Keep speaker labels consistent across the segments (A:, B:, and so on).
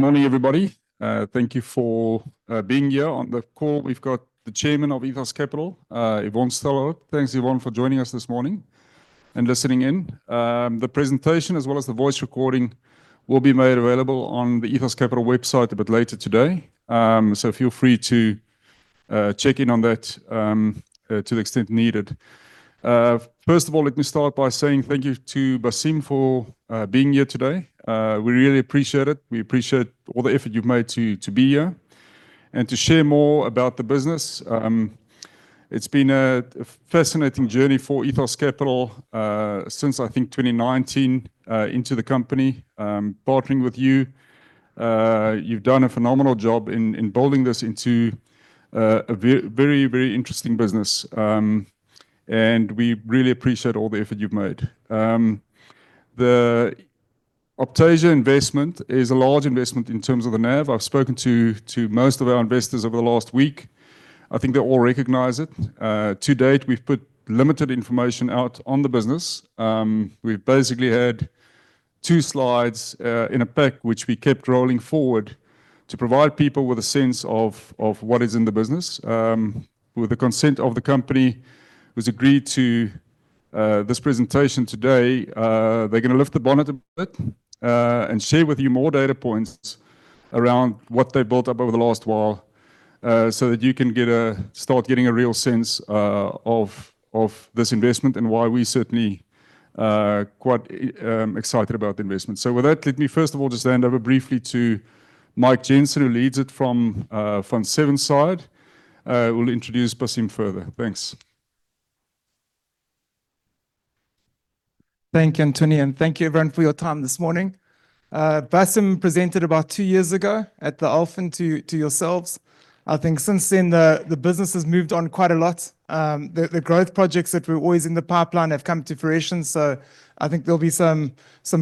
A: Morning, everybody. Thank you for being here on the call. We've got the Chairman of Ethos Capital, Yvonne Stillhart. Thanks, Yvonne, for joining us this morning and listening in. The presentation, as well as the voice recording, will be made available on the Ethos Capital website a bit later today. Feel free to check in on that to the extent needed. First of all, let me start by saying thank you to Bassim for being here today. We really appreciate it. We appreciate all the effort you've made to be here and to share more about the business. It's been a fascinating journey for Ethos Capital since, I think, 2019 into the company, partnering with you. You've done a phenomenal job in building this into a very interesting business. We really appreciate all the effort you've made. The Optasia investment is a large investment in terms of the NAV. I've spoken to most of our investors over the last week. I think they all recognize it. To date, we've put limited information out on the business. We've basically had two slides in a pack, which we kept rolling forward to provide people with a sense of what is in the business. With the consent of the company who's agreed to this presentation today, they're going to lift the bonnet a bit and share with you more data points around what they built up over the last while, so that you can start getting a real sense of this investment and why we're certainly quite excited about the investment. With that, let me first of all just hand over briefly to Mike Jensen, who leads it from Fund VII side, who will introduce Bassem further. Thanks.
B: Thank you, Antoine, and thank you everyone for your time this morning. Bassem presented about two years ago at the Olin to yourselves. I think since then, the business has moved on quite a lot. The growth projects that were always in the pipeline have come to fruition. I think there'll be some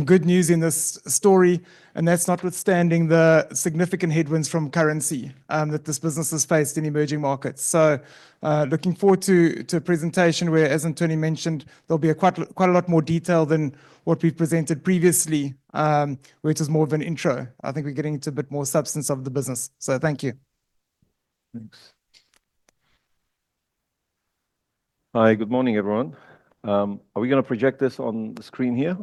B: good news in this story, and that's notwithstanding the significant headwinds from currency that this business has faced in emerging markets. Looking forward to the presentation where, as Antoine mentioned, there'll be quite a lot more detail than what we presented previously, which is more of an intro. We're getting into a bit more substance of the business. Thank you.
A: Thanks.
C: Hi. Good morning, everyone. Are we going to project this on the screen here?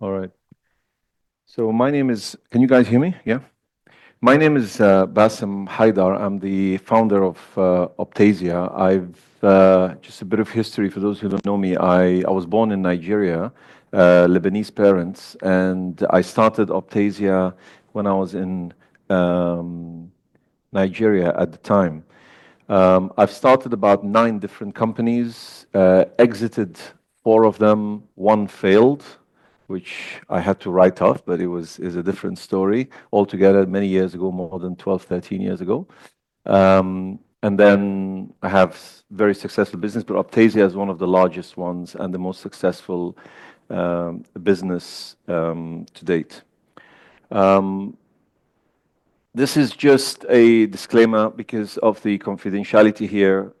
C: All right. Can you guys hear me? Yeah. My name is Bassim Haidar. I'm the Founder of Optasia. Just a bit of history for those who don't know me. I was born in Nigeria, Lebanese parents, and I started Optasia when I was in Nigeria at the time. I've started about nine different companies, exited four of them. One failed, which I had to write off, but it is a different story altogether. Many years ago, more than 12, 13 years ago. I have very successful business, but Optasia is one of the largest ones and the most successful business to date. This is just a disclaimer because of the confidentiality here.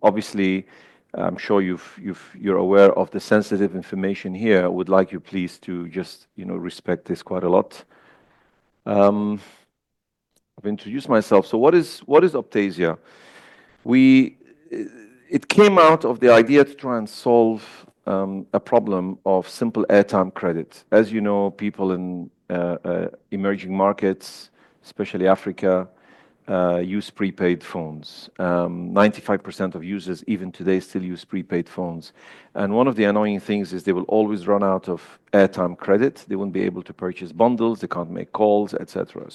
C: Obviously, I'm sure you're aware of the sensitive information here. I would like you please to just respect this quite a lot. I've introduced myself. What is Optasia? It came out of the idea to try and solve a problem of simple airtime credit. As you know, people in emerging markets, especially Africa, use prepaid phones. 95% of users even today still use prepaid phones. One of the annoying things is they will always run out of airtime credit. They won't be able to purchase bundles. They can't make calls, et cetera.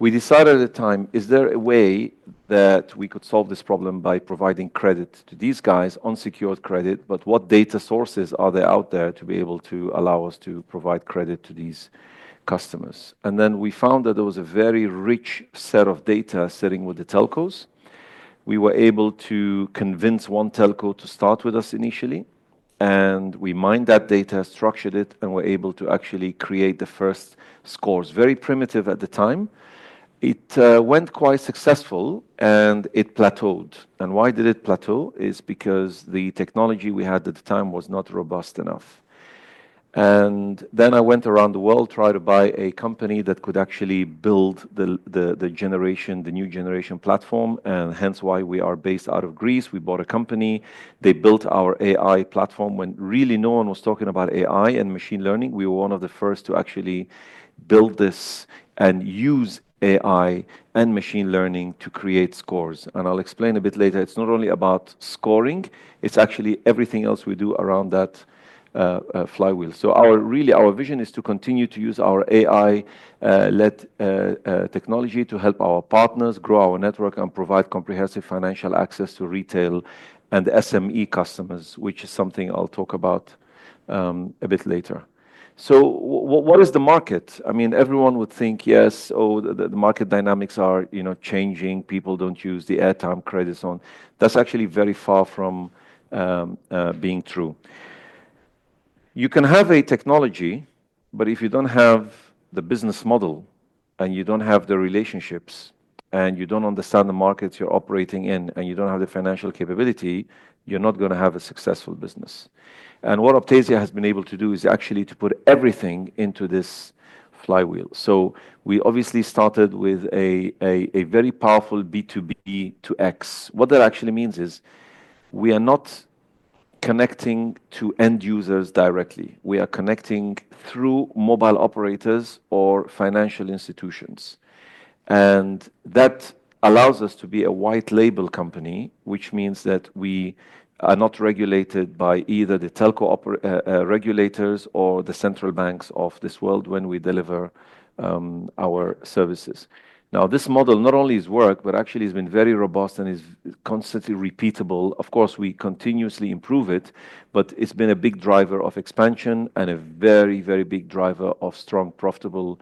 C: We decided at the time, is there a way that we could solve this problem by providing credit to these guys, unsecured credit, but what data sources are there out there to be able to allow us to provide credit to these customers? We found that there was a very rich set of data sitting with the telcos. We were able to convince one telco to start with us initially. We mined that data, structured it, and were able to actually create the first scores. Very primitive at the time. It went quite successful, and it plateaued. Why did it plateau? It's because the technology we had at the time was not robust enough. I went around the world, tried to buy a company that could actually build the new generation platform, and hence why we are based out of Greece. We bought a company. They built our AI platform when really no one was talking about AI and machine learning. We were one of the first to actually build this and use AI and machine learning to create scores. I'll explain a bit later. It's not only about scoring, it's actually everything else we do around that flywheel. Really, our vision is to continue to use our AI-led technology to help our partners grow our network and provide comprehensive financial access to retail and SME customers, which is something I'll talk about a bit later. What is the market? Everyone would think, "Yes. Oh, the market dynamics are changing. People don't use the airtime credits on." That's actually very far from being true. You can have a technology but if you don't have the business model and you don't have the relationships and you don't understand the markets you're operating in and you don't have the financial capability, you're not going to have a successful business. What Optasia has been able to do is actually to put everything into this flywheel. We obviously started with a very powerful B2B2X. What that actually means is we are not connecting to end users directly. We are connecting through mobile operators or financial institutions. That allows us to be a white label company, which means that we are not regulated by either the telco regulators or the central banks of this world when we deliver our services. This model not only has worked, but actually has been very robust and is constantly repeatable. Of course, we continuously improve it, but it's been a big driver of expansion and a very, very big driver of strong profitable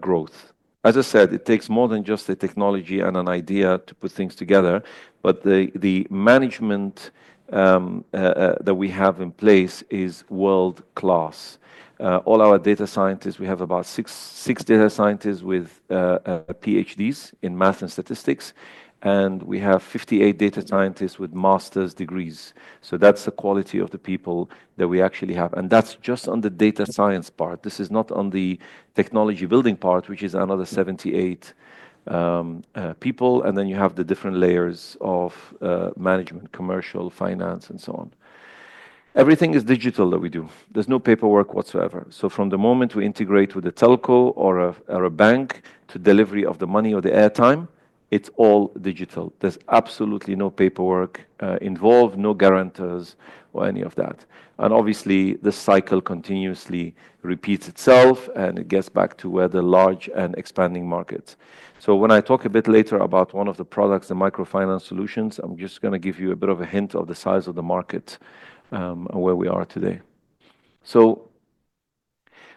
C: growth. As I said, it takes more than just the technology and an idea to put things together, but the management that we have in place is world-class. All our data scientists, we have about six data scientists with PhDs in math and statistics, and we have 58 data scientists with master's degrees. That's the quality of the people that we actually have. That is just on the data science part. This is not on the technology building part, which is another 78 people, then you have the different layers of management, commercial, finance, and so on. Everything is digital that we do. There is no paperwork whatsoever. From the moment we integrate with a telco or a bank to delivery of the money or the airtime, it is all digital. There is absolutely no paperwork involved, no guarantors or any of that. This cycle continuously repeats itself, and it gets back to where the large and expanding markets. When I talk a bit later about one of the products, the microfinance solutions, I am just going to give you a bit of a hint of the size of the market, and where we are today.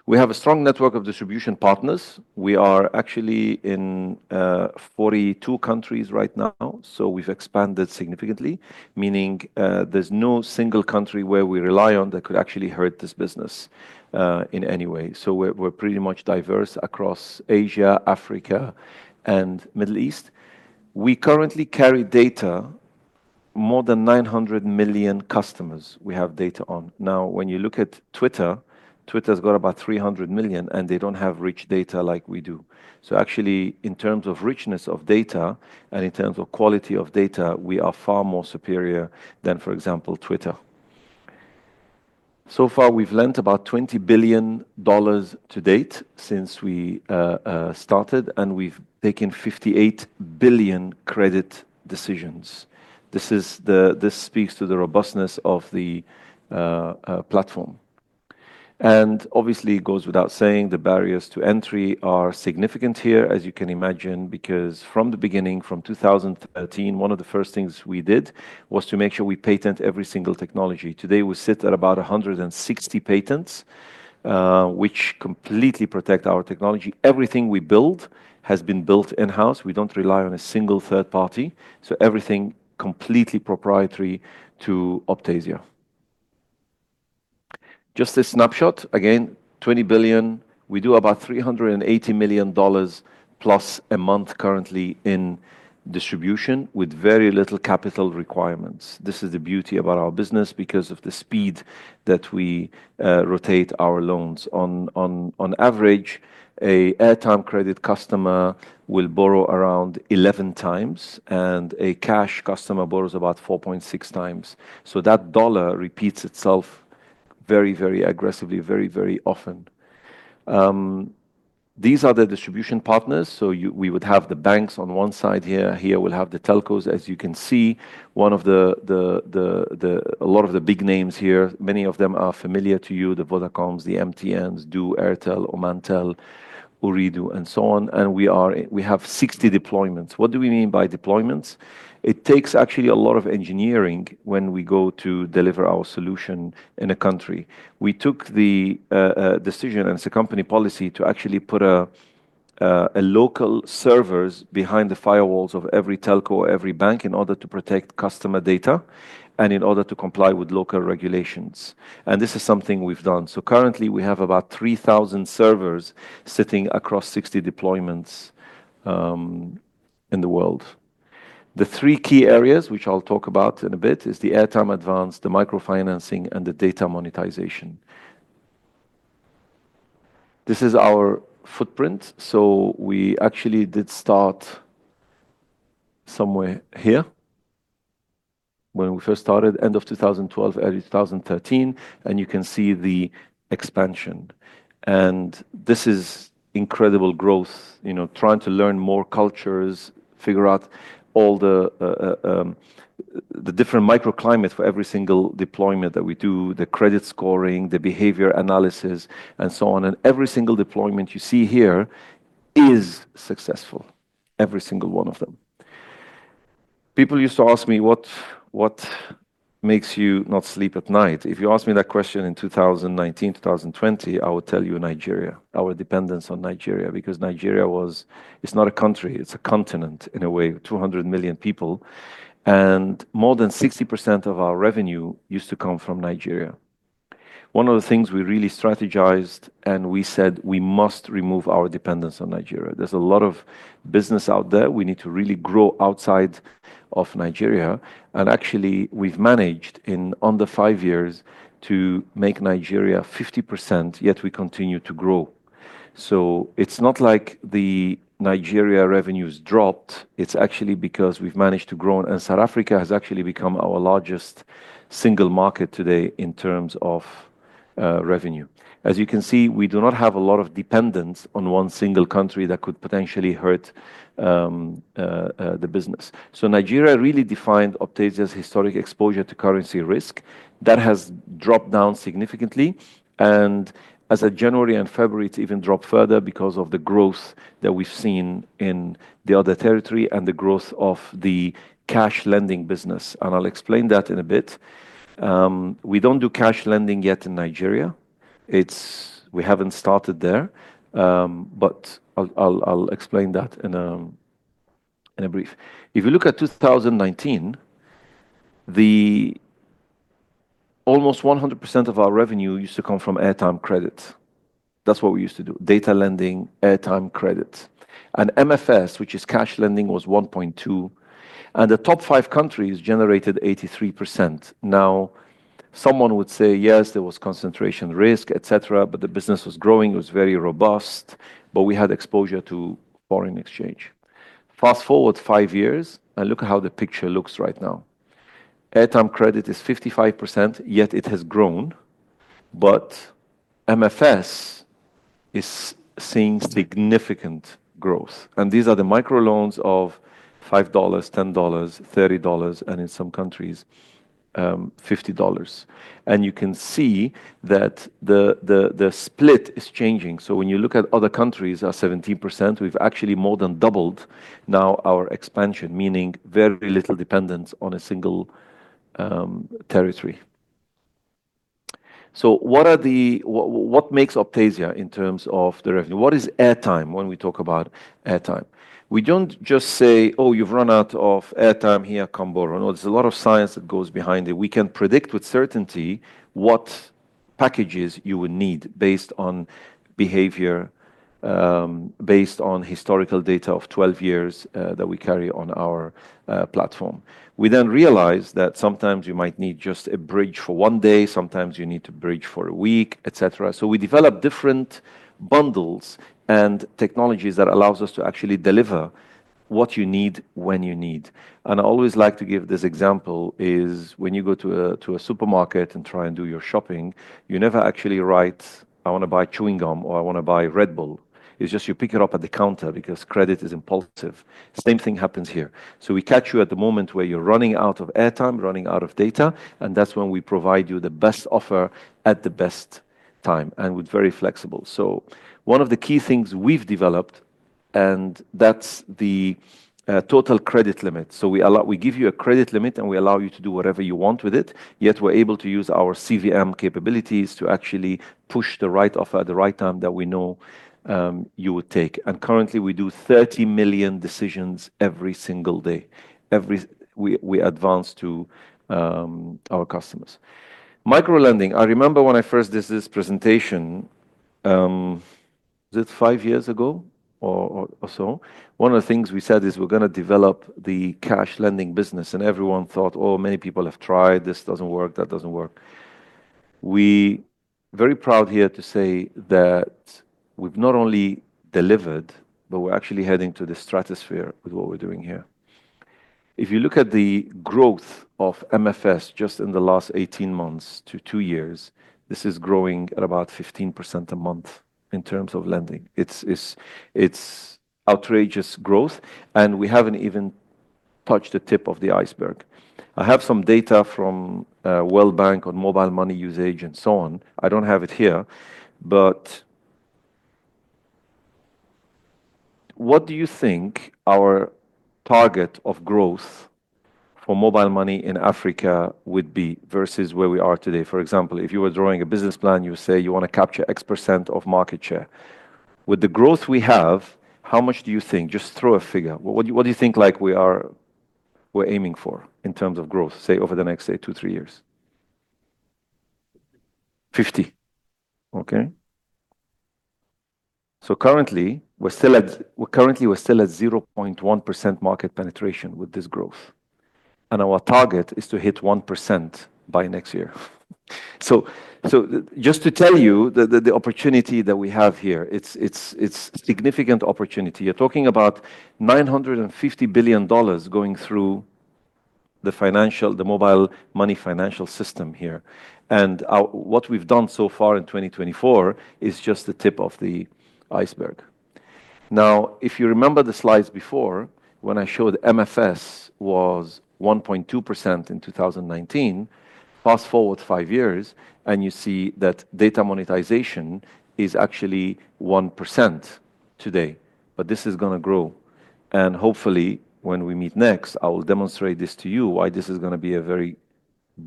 C: We have a strong network of distribution partners. We are actually in 42 countries right now, we have expanded significantly, meaning there is no single country where we rely on that could actually hurt this business in any way. We are pretty much diverse across Asia, Africa, and Middle East. We currently carry data, more than 900 million customers we have data on. When you look at Twitter's got about 300 million, and they do not have rich data like we do. Actually, in terms of richness of data and in terms of quality of data, we are far more superior than, for example, Twitter. Far, we have lent about $20 billion to date since we started, and we have taken 58 billion credit decisions. This speaks to the robustness of the platform. Obviously, it goes without saying, the barriers to entry are significant here, as you can imagine, because from the beginning, from 2013, one of the first things we did was to make sure we patent every single technology. Today, we sit at about 160 patents, which completely protect our technology. Everything we build has been built in-house. We do not rely on a single third party, everything completely proprietary to Optasia. Just a snapshot. Again, $20 billion. We do about $380 million plus a month currently in distribution with very little capital requirements. This is the beauty about our business because of the speed that we rotate our loans. On average, an airtime credit customer will borrow around 11 times, and a cash customer borrows about 4.6 times. That dollar repeats itself very aggressively, very often. These are the distribution partners. We would have the banks on one side here. Here, we will have the telcos. As you can see a lot of the big names here, many of them are familiar to you, the Vodacoms, the MTNs, du, Airtel, Omantel, Ooredoo, and so on, and we have 60 deployments. What do we mean by deployments? It takes actually a lot of engineering when we go to deliver our solution in a country. We took the decision, and it is a company policy, to actually put local servers behind the firewalls of every telco, every bank, in order to protect customer data and in order to comply with local regulations. This is something we have done. Currently, we have about 3,000 servers sitting across 60 deployments in the world. The three key areas, which I will talk about in a bit, is the airtime advance, the microfinancing, and the data monetization. This is our footprint. We actually did start somewhere here when we first started end of 2012, early 2013, and you can see the expansion. This is incredible growth, trying to learn more cultures, figure out all the different microclimates for every single deployment that we do, the credit scoring, the behavior analysis, and so on. Every single deployment you see here is successful. Every single one of them. People used to ask me, "What makes you not sleep at night?" If you asked me that question in 2019, 2020, I would tell you Nigeria, our dependence on Nigeria, because Nigeria, it's not a country, it's a continent in a way, 200 million people. More than 60% of our revenue used to come from Nigeria. One of the things we really strategized and we said we must remove our dependence on Nigeria. There's a lot of business out there. We need to really grow outside of Nigeria. Actually, we've managed in under five years to make Nigeria 50%, yet we continue to grow. It's not like the Nigeria revenues dropped. It's actually because we've managed to grow and South Africa has actually become our largest single market today in terms of revenue. As you can see, we do not have a lot of dependence on one single country that could potentially hurt the business. Nigeria really defined Optasia's historic exposure to currency risk that has dropped down significantly and as of January and February, it even dropped further because of the growth that we've seen in the other territory and the growth of the cash lending business. I'll explain that in a bit. We don't do cash lending yet in Nigeria. We haven't started there. I'll explain that in a brief. If you look at 2019, almost 100% of our revenue used to come from airtime credit. That's what we used to do, data lending, airtime credit. MFS, which is cash lending, was 1.2%, and the top five countries generated 83%. Someone would say, "Yes, there was concentration risk, et cetera, the business was growing. It was very robust, we had exposure to foreign exchange." Fast-forward five years and look at how the picture looks right now. Airtime credit is 55%, yet it has grown, MFS is seeing significant growth. These are the microloans of $5, $10, $30, and in some countries, $50. You can see that the split is changing. When you look at other countries are 17%, we've actually more than doubled now our expansion, meaning very little dependence on a single territory. What makes Optasia in terms of the revenue? What is airtime when we talk about airtime? We don't just say, "Oh, you've run out of airtime here, come borrow." No, there's a lot of science that goes behind it. We can predict with certainty what packages you would need based on behavior, based on historical data of 12 years that we carry on our platform. We then realize that sometimes you might need just a bridge for one day, sometimes you need to bridge for a week, et cetera. We develop different bundles and technologies that allows us to actually deliver what you need when you need. I always like to give this example is when you go to a supermarket and try and do your shopping, you never actually write, "I want to buy chewing gum," or, "I want to buy Red Bull." It's just you pick it up at the counter because credit is impulsive. Same thing happens here. We catch you at the moment where you're running out of airtime, running out of data, and that's when we provide you the best offer at the best time, and we're very flexible. One of the key things we've developed, and that's the total credit limit. We give you a credit limit, and we allow you to do whatever you want with it, yet we're able to use our CVM capabilities to actually push the right offer at the right time that we know you would take. Currently, we do 30 million decisions every single day. We advance to our customers. Microlending, I remember when I first did this presentation, was it five years ago or so? One of the things we said is we're going to develop the cash lending business, and everyone thought, "Oh, many people have tried. This doesn't work. That doesn't work." We very proud here to say that we've not only delivered, but we're actually heading to the stratosphere with what we're doing here. If you look at the growth of MFS just in the last 18 months to two years, this is growing at about 15% a month in terms of lending. It's outrageous growth, and we haven't even touched the tip of the iceberg. I have some data from World Bank on mobile money usage and so on. I don't have it here, what do you think our target of growth for mobile money in Africa would be versus where we are today? For example, if you were drawing a business plan, you say you want to capture X% of market share. With the growth we have, how much do you think? Just throw a figure. What do you think we're aiming for in terms of growth, say, over the next, say, two, three years? 50. Currently, we're still at 0.1% market penetration with this growth, and our target is to hit 1% by next year. Just to tell you the opportunity that we have here, it's significant opportunity. You're talking about ZAR 950 billion going through the mobile money financial system here, and what we've done so far in 2024 is just the tip of the iceberg. If you remember the slides before when I showed MFS was 1.2% in 2019, fast-forward five years and you see that data monetization is actually 1% today. This is going to grow and hopefully when we meet next, I will demonstrate this to you why this is going to be a very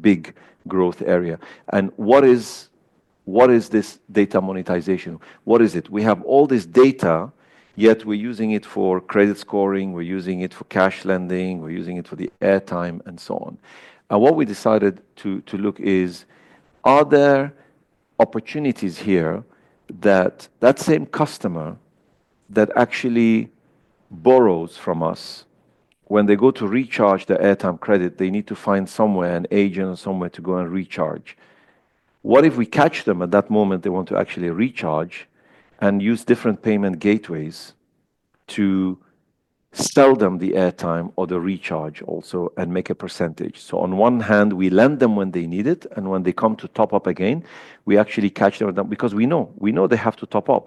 C: big growth area. What is this data monetization? What is it? We have all this data, yet we're using it for credit scoring, we're using it for cash lending, we're using it for the airtime, and so on. What we decided to look is are there opportunities here that same customer that actually borrows from us when they go to recharge their airtime credit, they need to find somewhere, an agent or somewhere to go and recharge. What if we catch them at that moment they want to actually recharge and use different payment gateways to sell them the airtime or the recharge also and make a percentage. On one hand, we lend them when they need it, and when they come to top up again, we actually catch them because we know they have to top up.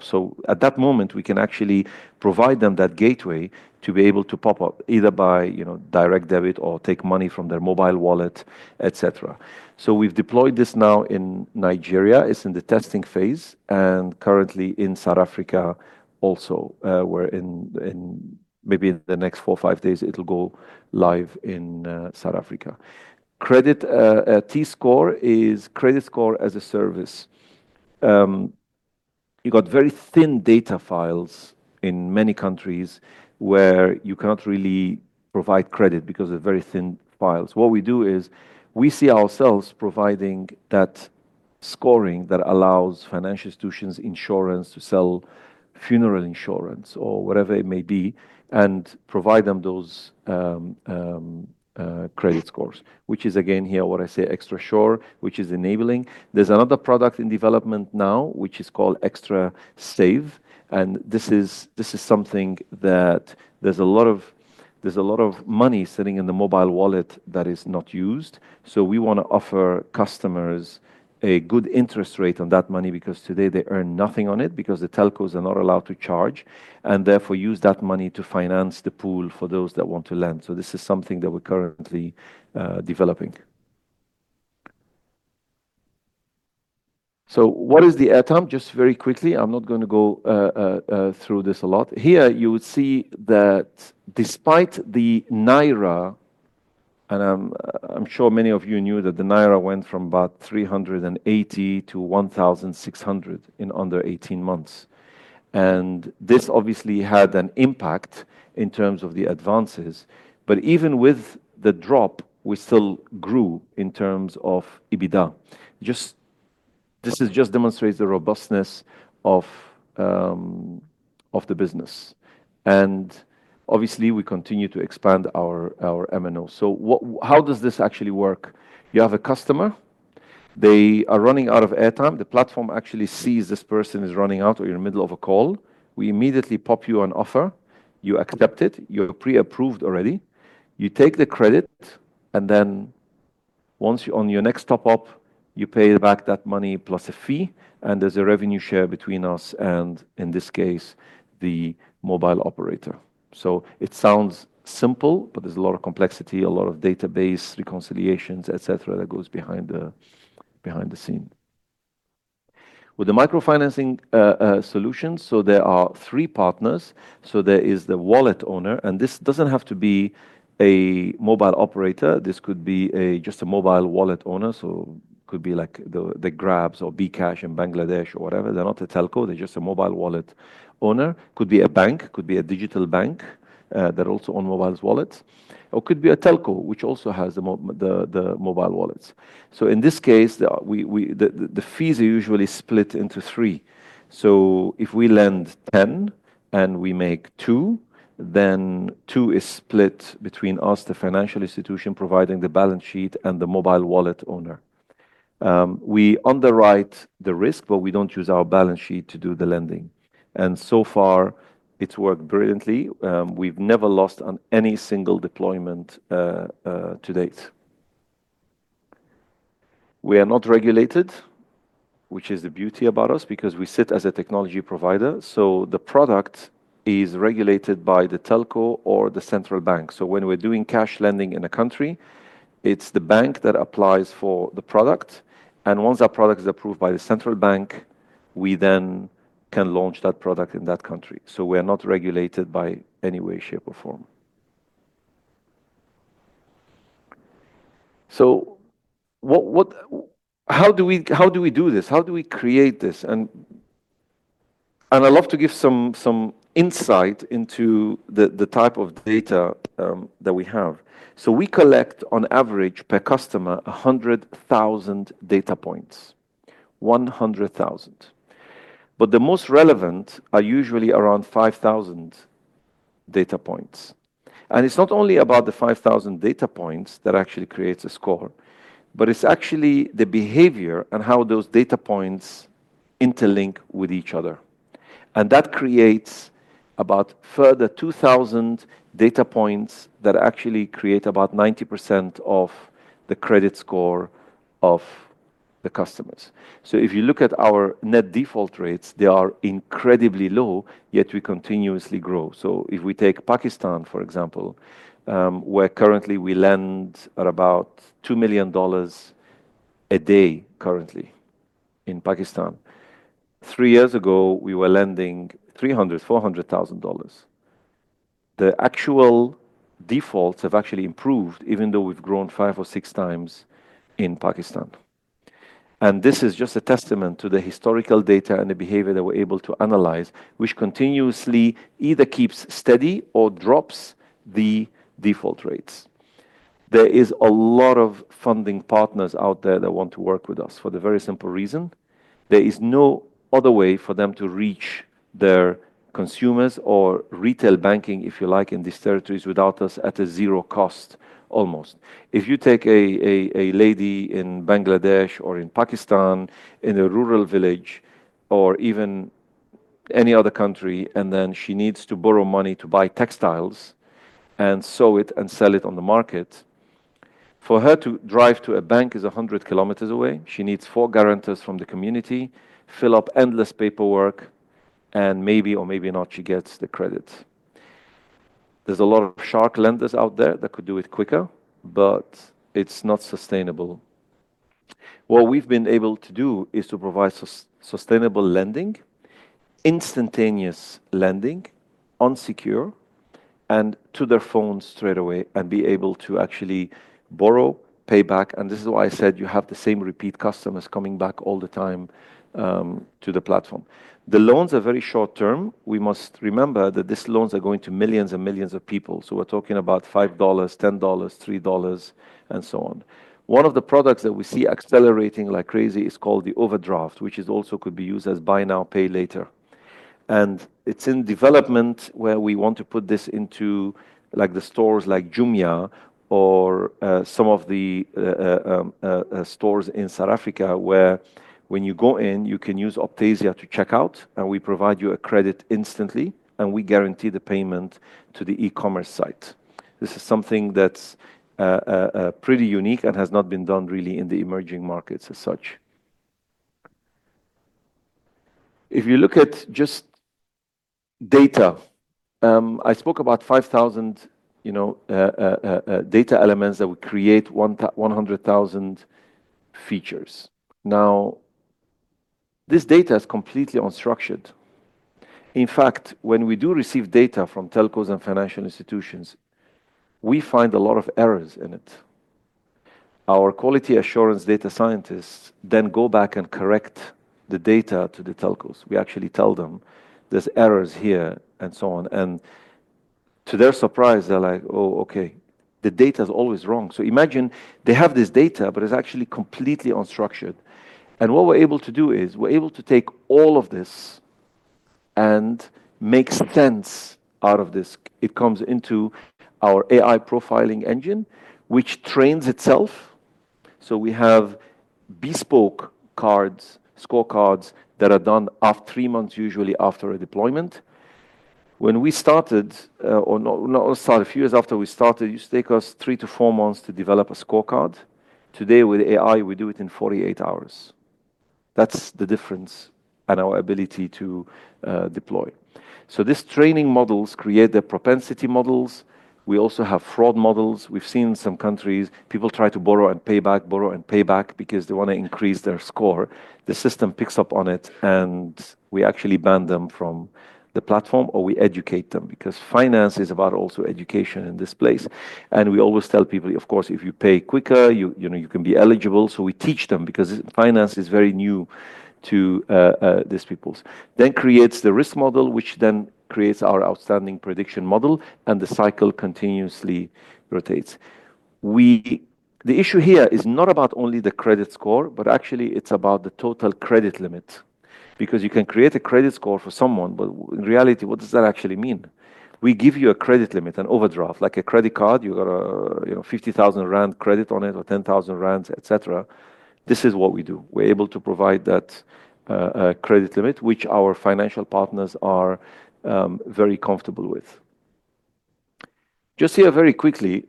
C: At that moment, we can actually provide them that gateway to be able to top up either by direct debit or take money from their mobile wallet, et cetera. We've deployed this now in Nigeria. It's in the testing phase, and currently in South Africa also, where in maybe the next four or five days, it'll go live in South Africa. Credit T-Score is credit score as a service. You got very thin data files in many countries where you cannot really provide credit because of very thin files. What we do is we see ourselves providing that scoring that allows financial institutions insurance to sell funeral insurance or whatever it may be and provide them those credit scores, which is again here what I say XtraSure, which is enabling. There's another product in development now, which is called XtraSave, and this is something that there's a lot of money sitting in the mobile wallet that is not used. We want to offer customers a good interest rate on that money because today they earn nothing on it because the telcos are not allowed to charge, and therefore use that money to finance the pool for those that want to lend. This is something that we're currently developing. What is the airtime? Just very quickly, I'm not going to go through this a lot. Here, you would see that despite the Naira, and I'm sure many of you knew that the Naira went from about 380 to 1,600 in under 18 months. This obviously had an impact in terms of the advances. Even with the drop, we still grew in terms of EBITDA. This just demonstrates the robustness of the business. Obviously, we continue to expand our MNOs. How does this actually work? You have a customer, they are running out of airtime. The platform actually sees this person is running out or you're in the middle of a call. We immediately pop you an offer. You accept it. You're pre-approved already. You take the credit, and then once you're on your next top-up, you pay back that money plus a fee, and there's a revenue share between us and, in this case, the mobile operator. It sounds simple, but there's a lot of complexity, a lot of database reconciliations, et cetera, that goes behind the scene. With the microfinancing solutions, there are three partners. There is the wallet owner, and this doesn't have to be a mobile operator. This could be just a mobile wallet owner, could be like the Grab or bKash in Bangladesh or whatever. They're not a telco, they're just a mobile wallet owner. Could be a bank, could be a digital bank that also own mobile wallets, or could be a telco, which also has the mobile wallets. In this case, the fees are usually split into three. If we lend ten and we make two, then two is split between us, the financial institution providing the balance sheet, and the mobile wallet owner. We underwrite the risk, but we don't use our balance sheet to do the lending. So far, it's worked brilliantly. We've never lost on any single deployment to date. We are not regulated, which is the beauty about us, because we sit as a technology provider. The product is regulated by the telco or the central bank. When we're doing cash lending in a country, it's the bank that applies for the product, and once that product is approved by the central bank, we then can launch that product in that country. We are not regulated by any way, shape, or form. How do we do this? How do we create this? I'd love to give some insight into the type of data that we have. We collect, on average per customer, 100,000 data points. 100,000. The most relevant are usually around 5,000 data points. It's not only about the 5,000 data points that actually creates a score, but it's actually the behavior and how those data points interlink with each other. That creates about further 2,000 data points that actually create about 90% of the credit score of the customers. If you look at our net default rates, they are incredibly low, yet we continuously grow. If we take Pakistan, for example, where currently we lend at about ZAR 2 million a day currently in Pakistan. Three years ago, we were lending 300,000, ZAR 400,000. The actual defaults have actually improved, even though we've grown five or six times in Pakistan. This is just a testament to the historical data and the behavior that we're able to analyze, which continuously either keeps steady or drops the default rates. There is a lot of funding partners out there that want to work with us for the very simple reason there is no other way for them to reach their consumers or retail banking, if you like, in these territories without us at a zero cost almost. If you take a lady in Bangladesh or in Pakistan in a rural village, or even any other country, then she needs to borrow money to buy textiles and sew it and sell it on the market, for her to drive to a bank is 100 km away. She needs four guarantors from the community, fill up endless paperwork, and maybe or maybe not, she gets the credit. There's a lot of shark lenders out there that could do it quicker, it's not sustainable. What we've been able to do is to provide sustainable lending, instantaneous lending, unsecure, to their phone straight away and be able to actually borrow, pay back, this is why I said you have the same repeat customers coming back all the time to the platform. The loans are very short-term. We must remember that these loans are going to millions and millions of people. We're talking about ZAR 5, ZAR 10, ZAR 3, and so on. One of the products that we see accelerating like crazy is called the overdraft, which is also could be used as buy now, pay later. It's in development where we want to put this into the stores like Jumia or some of the stores in South Africa, where when you go in, you can use Optasia to check out, and we provide you a credit instantly, and we guarantee the payment to the e-commerce site. This is something that's pretty unique and has not been done really in the emerging markets as such. If you look at just data, I spoke about 5,000 data elements that will create 100,000 features. This data is completely unstructured. In fact, when we do receive data from telcos and financial institutions, we find a lot of errors in it. Our quality assurance data scientists go back and correct the data to the telcos. We actually tell them there's errors here and so on, and to their surprise, they're like, "Oh, okay." The data's always wrong. Imagine they have this data, but it's actually completely unstructured. What we're able to do is we're able to take all of this and make sense out of this. It comes into our AI profiling engine, which trains itself. We have bespoke scorecards that are done three months usually after a deployment. A few years after we started, it used to take us three to four months to develop a scorecard. Today with AI, we do it in 48 hours. That's the difference in our ability to deploy. These training models create the propensity models. We also have fraud models. We've seen some countries, people try to borrow and pay back because they want to increase their score. The system picks up on it, and we actually ban them from the platform, or we educate them because finance is about also education in this place. We always tell people, of course, if you pay quicker, you can be eligible. We teach them because finance is very new to these peoples. Creates the risk model, which creates our outstanding prediction model, and the cycle continuously rotates. The issue here is not about only the credit score, but actually, it's about the total credit limit because you can create a credit score for someone, but in reality, what does that actually mean? We give you a credit limit and overdraft, like a credit card, you got a 50,000 rand credit on it, or 10,000 rand, et cetera. This is what we do. We're able to provide that credit limit, which our financial partners are very comfortable with. Just here very quickly.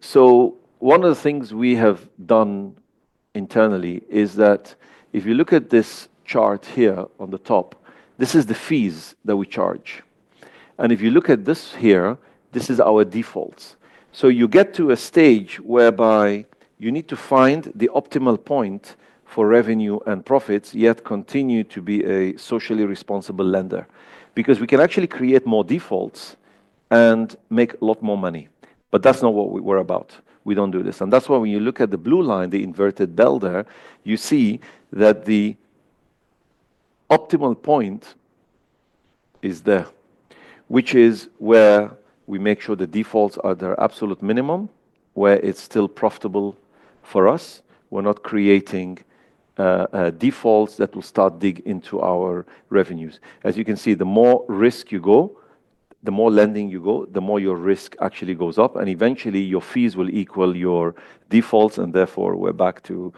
C: One of the things we have done internally is that if you look at this chart here on the top, this is the fees that we charge. If you look at this here, this is our defaults. You get to a stage whereby you need to find the optimal point for revenue and profits, yet continue to be a socially responsible lender. We can actually create more defaults and make a lot more money, but that's not what we're about. We don't do this. That's why when you look at the blue line, the inverted bell there, you see that the optimal point is there, which is where we make sure the defaults are their absolute minimum, where it's still profitable for us. We're not creating defaults that will start dig into our revenues. As you can see, the more risk you go, the more lending you go, the more your risk actually goes up, and eventually, your fees will equal your defaults, and therefore, we're back to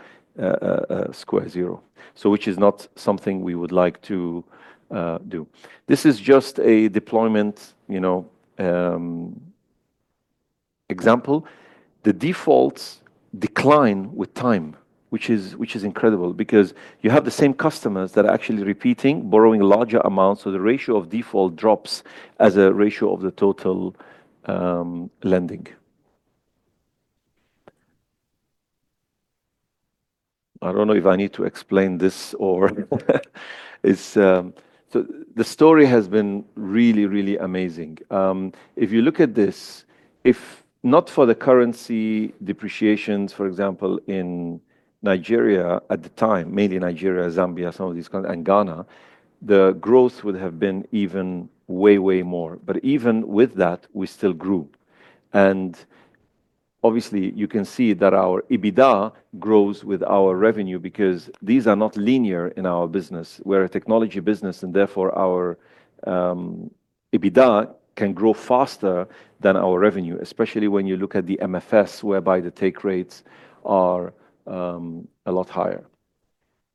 C: square zero. Which is not something we would like to do. This is just a deployment example. The defaults decline with time, which is incredible because you have the same customers that are actually repeating, borrowing larger amounts, so the ratio of default drops as a ratio of the total lending. I don't know if I need to explain this. The story has been really, really amazing. If you look at this, if not for the currency depreciations, for example, in Nigeria at the time, mainly Nigeria, Zambia, some of these countries, and Ghana, the growth would have been even way more. Even with that, we still grew. Obviously you can see that our EBITDA grows with our revenue because these are not linear in our business. We're a technology business, and therefore our EBITDA can grow faster than our revenue, especially when you look at the MFS, whereby the take rates are a lot higher.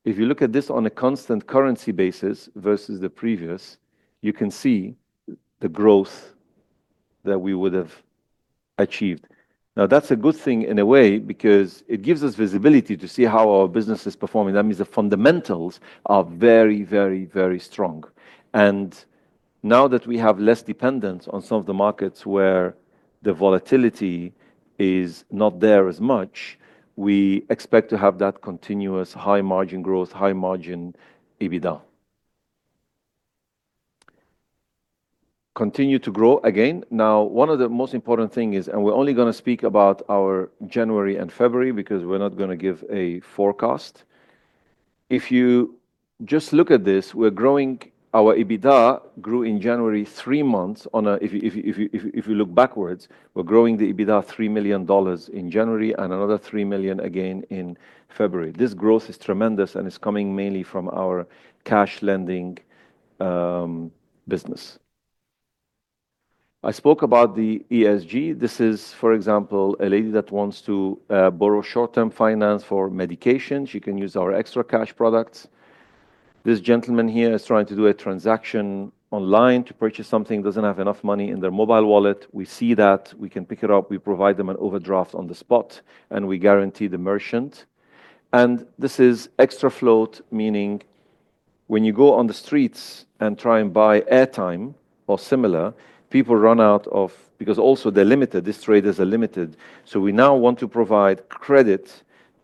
C: If you look at this on a constant currency basis versus the previous, you can see the growth that we would have achieved. That's a good thing in a way because it gives us visibility to see how our business is performing. That means the fundamentals are very strong. Now that we have less dependence on some of the markets where the volatility is not there as much, we expect to have that continuous high-margin growth, high-margin EBITDA. Continue to grow again. One of the most important thing is, we're only going to speak about our January and February because we're not going to give a forecast. If you just look at this, our EBITDA grew in January. If you look backwards, we're growing the EBITDA $3 million in January and another $3 million again in February. This growth is tremendous, and it's coming mainly from our cash lending business. I spoke about the ESG. This is, for example, a lady that wants to borrow short-term finance for medications. She can use our XtraCash products. This gentleman here is trying to do a transaction online to purchase something, doesn't have enough money in their mobile wallet. We see that. We can pick it up. We provide them an overdraft on the spot, and we guarantee the merchant. This is XtraFloat, meaning when you go on the streets and try and buy airtime or similar, people run out of. Because also they're limited. These traders are limited. We now want to provide credit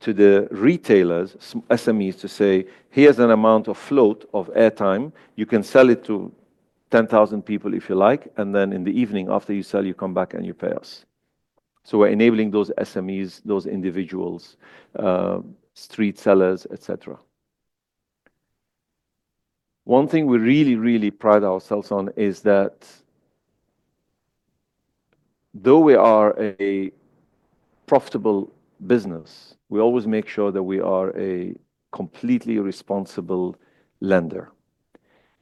C: to the retailers, some SMEs, to say, "Here's an amount of float of airtime. You can sell it to 10,000 people if you like. Then in the evening after you sell, you come back and you pay us." We're enabling those SMEs, those individuals, street sellers, et cetera. One thing we really pride ourselves on is that though we are a profitable business, we always make sure that we are a completely responsible lender.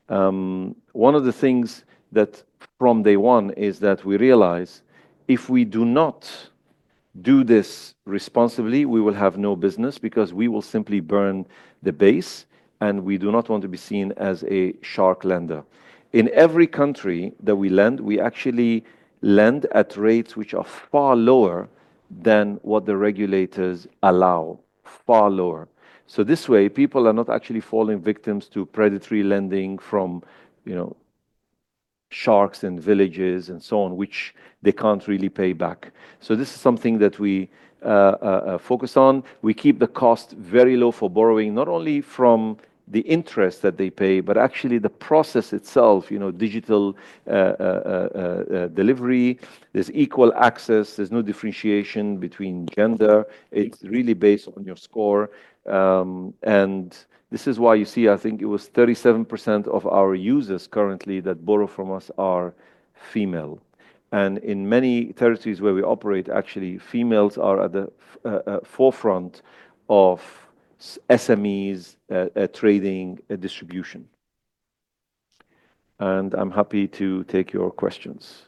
C: One of the things that from day one is that we realize if we do not do this responsibly, we will have no business because we will simply burn the base, and we do not want to be seen as a shark lender. In every country that we lend, we actually lend at rates which are far lower than what the regulators allow. Far lower. This way, people are not actually falling victims to predatory lending from sharks and villages and so on, which they can't really pay back. This is something that we focus on. We keep the cost very low for borrowing, not only from the interest that they pay, but actually the process itself, digital delivery, there's equal access, there's no differentiation between gender. It's really based on your score. This is why you see, I think it was 37% of our users currently that borrow from us are female. In many territories where we operate, actually, females are at the forefront of SMEs trading and distribution. I'm happy to take your questions.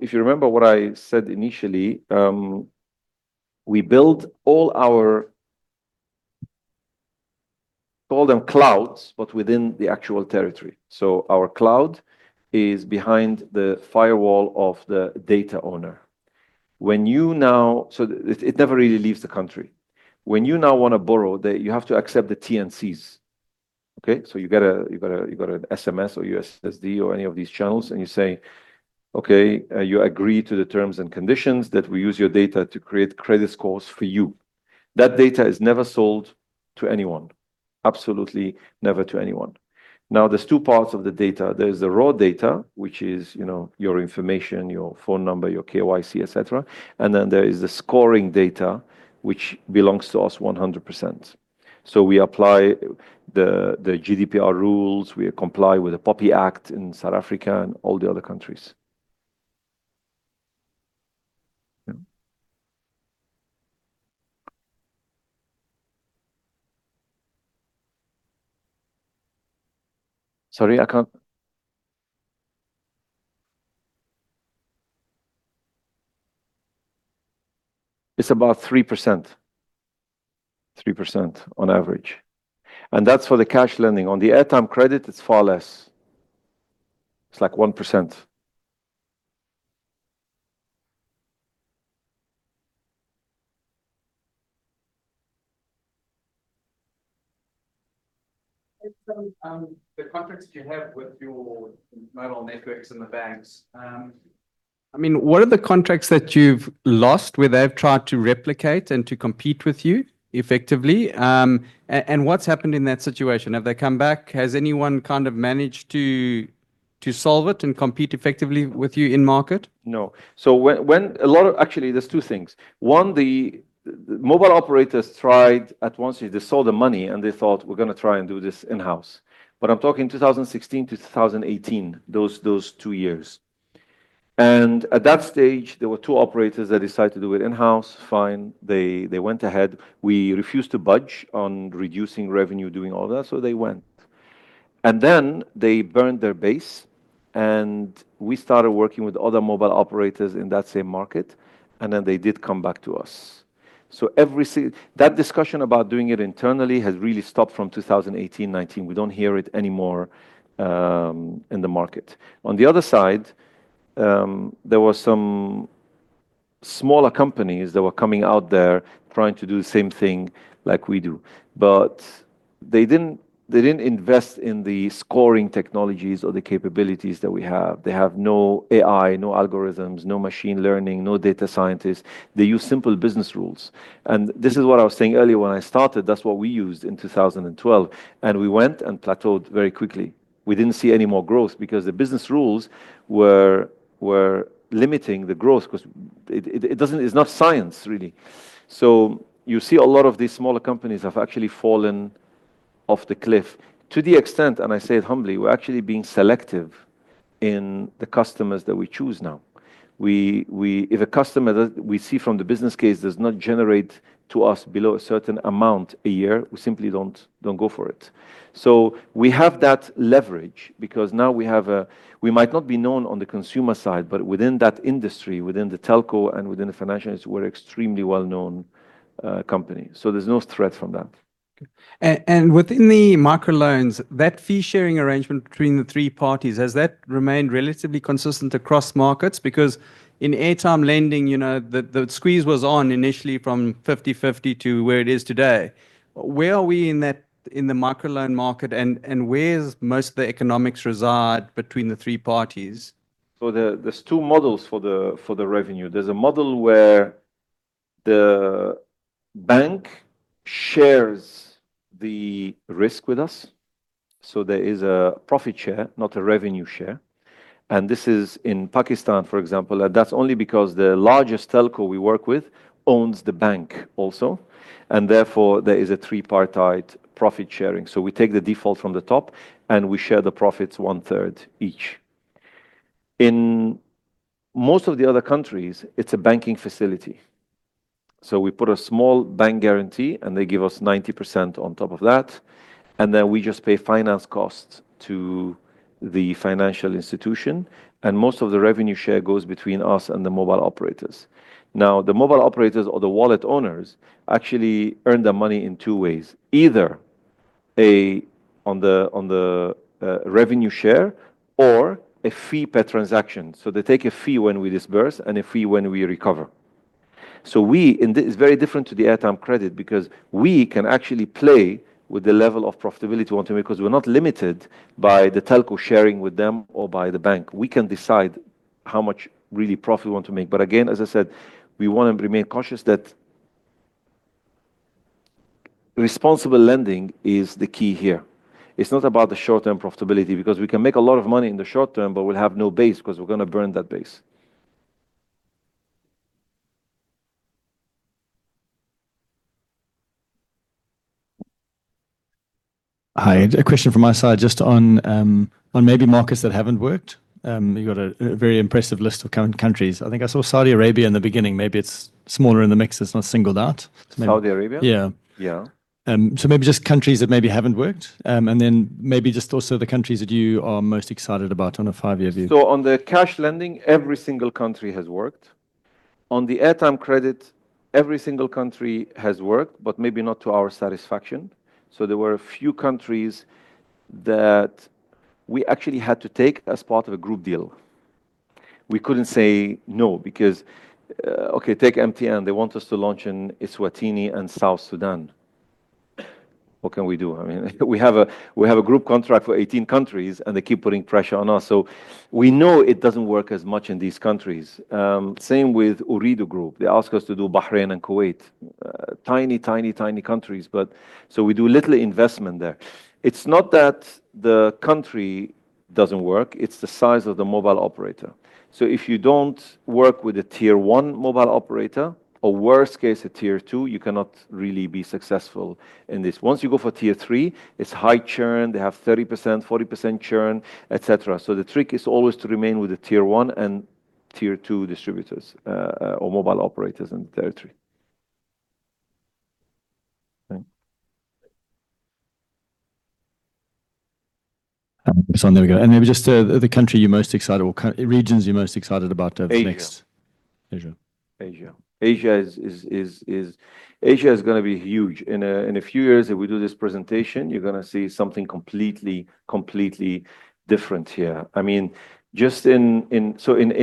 C: If you remember what I said initially, we build all our, call them clouds, but within the actual territory. Our cloud is behind the firewall of the data owner. It never really leaves the country. When you now want to borrow, you have to accept the T&Cs. Okay? You get an SMS or USSD or any of these channels, and you say, okay, you agree to the terms and conditions that we use your data to create credit scores for you. That data is never sold to anyone. Absolutely never to anyone. There's two parts of the data. There's the raw data, which is your information, your phone number, your KYC, et cetera. Then there is the scoring data, which belongs to us 100%. We apply the GDPR rules. We comply with the POPI Act in South Africa and all the other countries. Yeah. Sorry, I can't. It's about 3%. 3% on average. That's for the cash lending. On the airtime credit, it's far less. It's like 1%.
D: The contracts that you have with your mobile networks and the banks, what are the contracts that you've lost where they've tried to replicate and to compete with you effectively? What's happened in that situation? Have they come back? Has anyone managed to solve it and compete effectively with you in market?
C: Actually, there's two things. One, the mobile operators tried at once, they saw the money and they thought, "We're going to try and do this in-house." I'm talking 2016 to 2018, those two years. At that stage, there were two operators that decided to do it in-house. Fine. They went ahead. We refused to budge on reducing revenue, doing all that, so they went. They burned their base and we started working with other mobile operators in that same market, and then they did come back to us. That discussion about doing it internally has really stopped from 2018, 2019. We don't hear it anymore in the market. On the other side, there were some smaller companies that were coming out there trying to do the same thing like we do. They didn't invest in the scoring technologies or the capabilities that we have. They have no AI, no algorithms, no machine learning, no data scientists. They use simple business rules. This is what I was saying earlier when I started, that's what we used in 2012, and we went and plateaued very quickly. We didn't see any more growth because the business rules were limiting the growth because it's not science, really. You see a lot of these smaller companies have actually fallen off the cliff to the extent, and I say it humbly, we're actually being selective in the customers that we choose now. If a customer that we see from the business case does not generate to us below a certain amount a year, we simply don't go for it. We have that leverage because now we might not be known on the consumer side, but within that industry, within the telco, and within the financial industry, we're extremely well-known company. There's no threat from that.
D: Okay. Within the microloans, that fee-sharing arrangement between the three parties, has that remained relatively consistent across markets? In airtime lending, the squeeze was on initially from 50/50 to where it is today. Where are we in the microloan market, and where's most of the economics reside between the three parties?
C: There's two models for the revenue. There's a model where the bank shares the risk with us, so there is a profit share, not a revenue share. This is in Pakistan, for example. That's only because the largest telco we work with owns the bank also, and therefore, there is a tripartite profit-sharing. We take the default from the top and we share the profits one third each. In most of the other countries, it's a banking facility. We put a small bank guarantee, and they give us 90% on top of that, and then we just pay finance costs to the financial institution, and most of the revenue share goes between us and the mobile operators. The mobile operators or the wallet owners actually earn their money in two ways. Either on the revenue share or a fee per transaction. They take a fee when we disburse and a fee when we recover. It's very different to the airtime credit because we can actually play with the level of profitability we want to make because we're not limited by the telco sharing with them or by the bank. We can decide how much really profit we want to make. Again, as I said, we want to remain cautious that responsible lending is the key here. It's not about the short-term profitability, because we can make a lot of money in the short term, but we'll have no base because we're going to burn that base.
E: Hi, a question from my side just on maybe markets that haven't worked. You've got a very impressive list of current countries. I think I saw Saudi Arabia in the beginning. Maybe it's smaller in the mix, it's not singled out.
C: Saudi Arabia?
E: Yeah.
C: Yeah.
E: maybe just countries that maybe haven't worked, and then maybe just also the countries that you are most excited about on a five-year view.
C: On the cash lending, every single country has worked. On the airtime credit, every single country has worked, but maybe not to our satisfaction. There were a few countries that we actually had to take as part of a group deal. We couldn't say no because, okay, take MTN, they want us to launch in Eswatini and South Sudan. What can we do? We have a group contract for 18 countries, and they keep putting pressure on us. We know it doesn't work as much in these countries. Same with Ooredoo Group. They ask us to do Bahrain and Kuwait. Tiny countries, so we do little investment there. It's not that the country doesn't work, it's the size of the mobile operator. If you don't work with a tier 1 mobile operator, or worst case, a tier 2, you cannot really be successful in this. Once you go for tier 3, it's high churn. They have 30%, 40% churn, et cetera. The trick is always to remain with the tier 1 and tier 2 distributors, or mobile operators in the territory.
E: Thanks. There we go. maybe just the country you're most excited or regions you're most excited about over the next-
C: Asia.
E: Asia.
C: Asia. Asia is going to be huge. In a few years, if we do this presentation, you're going to see something completely different here. In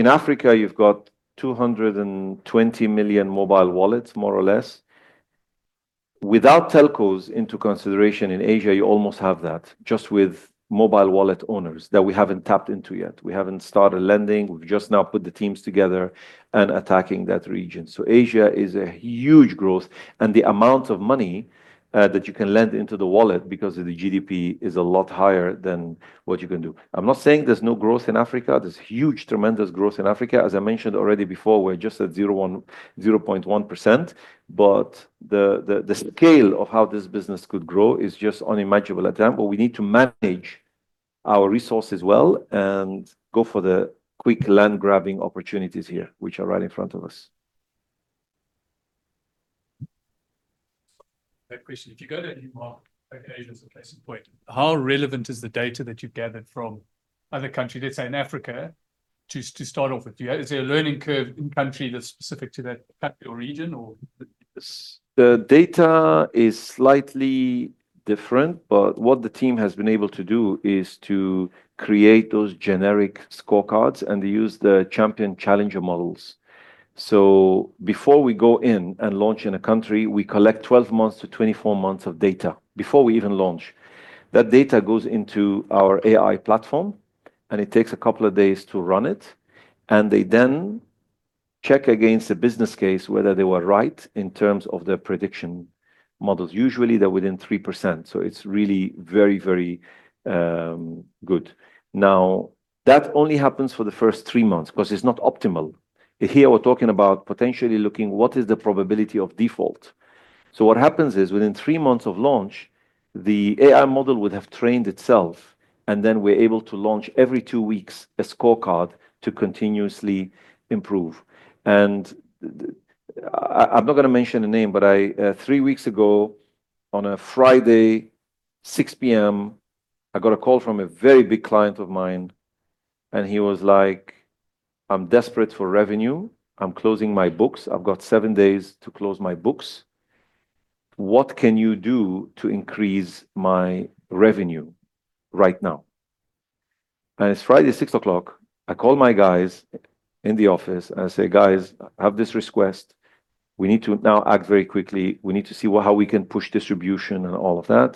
C: Africa, you've got 220 million mobile wallets, more or less. Without telcos into consideration in Asia, you almost have that just with mobile wallet owners that we haven't tapped into yet. We haven't started lending. We've just now put the teams together and attacking that region. Asia is a huge growth, and the amount of money that you can lend into the wallet because of the GDP is a lot higher than what you can do. I'm not saying there's no growth in Africa. There's huge, tremendous growth in Africa. As I mentioned already before, we're just at 0.1%, but the scale of how this business could grow is just unimaginable at them. We need to manage our resources well and go for the quick land-grabbing opportunities here, which are right in front of us.
F: I have a question. If you go to any market, like Asia as a case in point, how relevant is the data that you've gathered from other countries, let's say in Africa, to start off with? Is there a learning curve in country that's specific to that country or region?
C: The data is slightly different, what the team has been able to do is to create those generic scorecards and use the champion-challenger models. Before we go in and launch in a country, we collect 12 months-24 months of data before we even launch. That data goes into our AI platform, and it takes a couple of days to run it, and they then check against the business case whether they were right in terms of their prediction models. Usually, they're within 3%, it's really very good. That only happens for the first three months because it's not optimal. Here, we're talking about potentially looking what is the probability of default. What happens is within three months of launch, the AI model would have trained itself, and then we're able to launch every two weeks a scorecard to continuously improve. I'm not going to mention a name, but three weeks ago, on a Friday, 6:00 P.M., I got a call from a very big client of mine, and he was like, "I'm desperate for revenue. I'm closing my books. I've got seven days to close my books. What can you do to increase my revenue right now?" It's Friday, 6:00 P.M. I call my guys in the office and I say, "Guys, I have this request. We need to now act very quickly. We need to see how we can push distribution and all of that."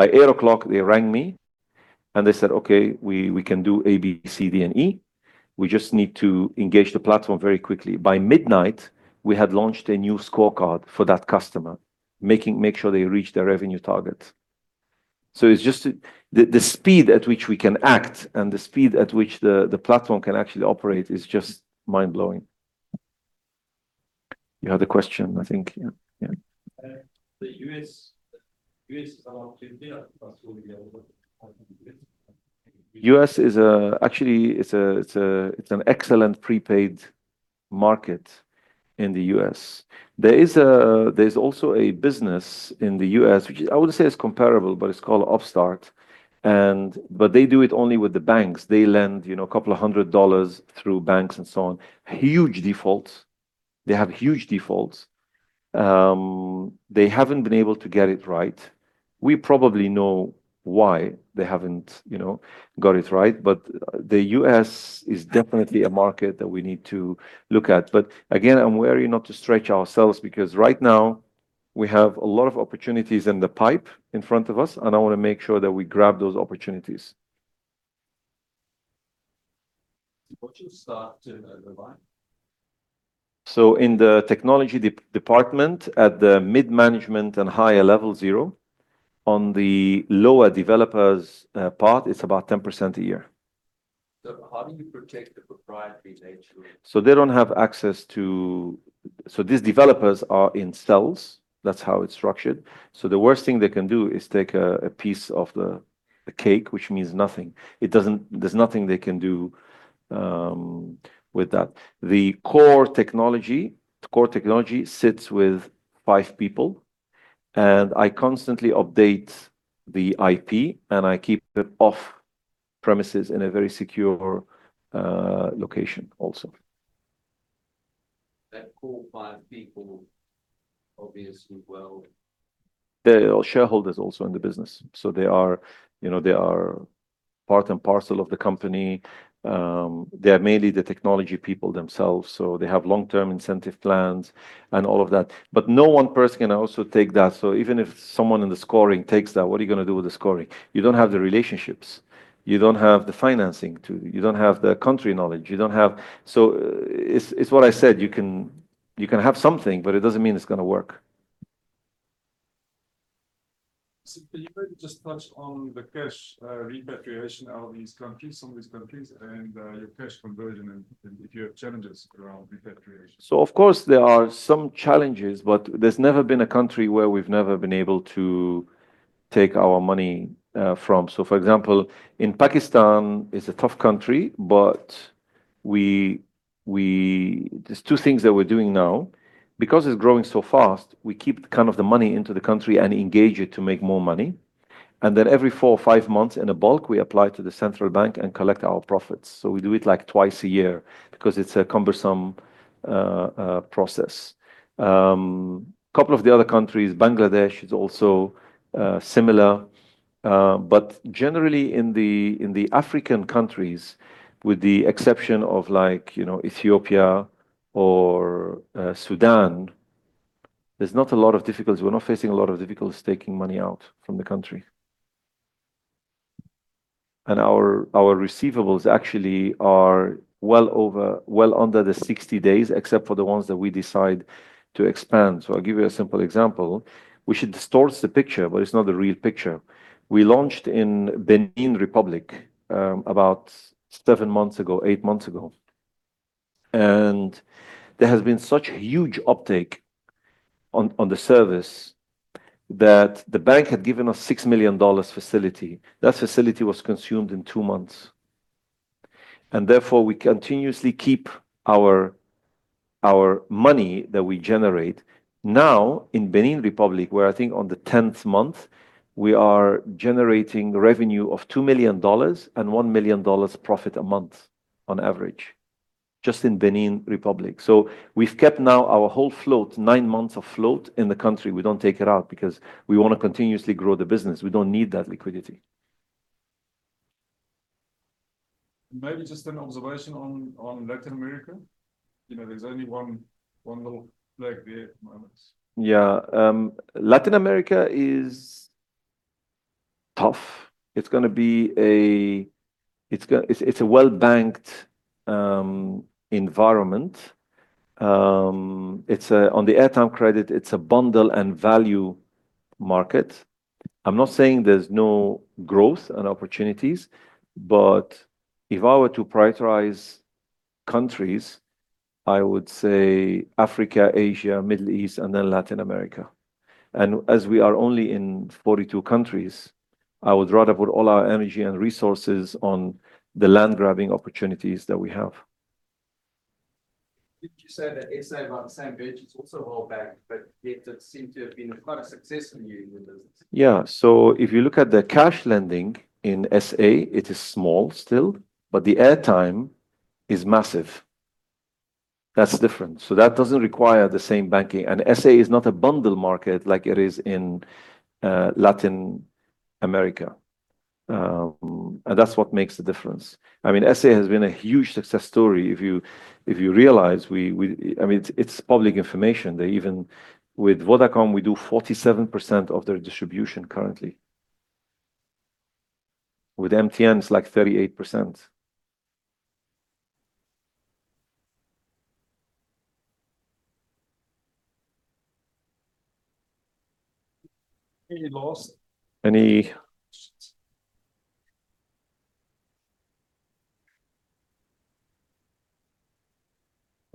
C: By 8:00 P.M., they rang me and they said, "Okay, we can do A, B, C, D, and E. We just need to engage the platform very quickly." By midnight, we had launched a new scorecard for that customer, make sure they reach their revenue target. It's just the speed at which we can act and the speed at which the platform can actually operate is just mind-blowing. You had a question, I think. Yeah.
F: The U.S. is an opportunity, I suppose, will be able to.
C: U.S. is actually an excellent prepaid market in the U.S. There's also a business in the U.S., which I wouldn't say it's comparable, but it's called Upstart, but they do it only with the banks. They lend a couple of hundred dollars through banks and so on. Huge defaults. They have huge defaults. They haven't been able to get it right. We probably know why they haven't got it right, but the U.S. is definitely a market that we need to look at. Again, I'm wary not to stretch ourselves because right now we have a lot of opportunities in the pipe in front of us, and I want to make sure that we grab those opportunities.
F: What's your staff turnover like?
C: In the technology department at the mid-management and higher level, zero. On the lower developers part, it is about 10% a year.
F: How do you protect the proprietary nature of-
C: These developers are in cells. That is how it is structured. The worst thing they can do is take a piece of the cake, which means nothing. There is nothing they can do with that. The core technology sits with five people, and I constantly update the IP, and I keep it off premises in a very secure location also.
F: That core five people, obviously well.
C: They're all shareholders also in the business. They are part and parcel of the company. They are mainly the technology people themselves, they have long-term incentive plans and all of that. No one person can also take that. Even if someone in the scoring takes that, what are you going to do with the scoring? You don't have the relationships. You don't have the financing. You don't have the country knowledge. It's what I said, you can have something, but it doesn't mean it's going to work.
F: You maybe just touched on the cash repatriation out of these countries, some of these countries, and your cash conversion and if you have challenges around repatriation.
C: Of course there are some challenges, there's never been a country where we've never been able to take our money from. For example, in Pakistan, it's a tough country, there's two things that we're doing now. It's growing so fast, we keep kind of the money into the country and engage it to make more money. Then every four or five months in a bulk, we apply to the central bank and collect our profits. We do it twice a year because it's a cumbersome process. Couple of the other countries, Bangladesh is also similar. Generally in the African countries, with the exception of Ethiopia or Sudan, there's not a lot of difficulties. We're not facing a lot of difficulties taking money out from the country. Our receivables actually are well under the 60 days, except for the ones that we decide to expand. I'll give you a simple example. We should distort the picture, but it's not the real picture. We launched in Benin Republic about seven months ago, eight months ago. There has been such huge uptake on the service that the bank had given us $6 million facility. That facility was consumed in two months, therefore, we continuously keep our money that we generate now in Benin Republic, where I think on the 10th month, we are generating revenue of $2 million and $1 million profit a month on average, just in Benin Republic. We've kept now our whole float, nine months of float in the country. We don't take it out because we want to continuously grow the business. We don't need that liquidity.
A: Maybe just an observation on Latin America. There's only one little flag there at the moment.
C: Latin America is tough. It's a well-banked environment. On the airtime credit, it's a bundle and value market. I'm not saying there's no growth and opportunities, but if I were to prioritize countries, I would say Africa, Asia, Middle East, then Latin America. As we are only in 42 countries, I would rather put all our energy and resources on the land-grabbing opportunities that we have.
D: Didn't you say that SA, right on the same page, it's also well-banked, but yet it seemed to have been quite a success for you in the business?
C: If you look at the cash lending in SA, it is small still, but the airtime is massive. That's different. That doesn't require the same banking. SA is not a bundle market like it is in Latin America. That's what makes the difference. SA has been a huge success story. If you realize, it's public information that even with Vodacom, we do 47% of their distribution currently. With MTN, it's like 38%.
A: Any, Bassim?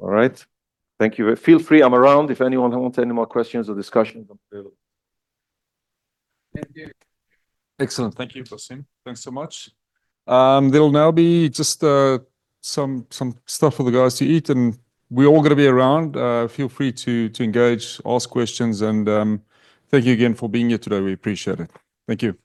C: All right. Thank you. Feel free, I'm around if anyone wants any more questions or discussion.
A: Thank you. Excellent. Thank you, Bassim. Thanks so much. There'll now be just some stuff for the guys to eat, and we're all going to be around. Feel free to engage, ask questions, and thank you again for being here today. We appreciate it. Thank you